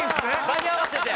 場に合わせて。